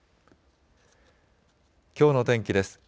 きょうの天気です。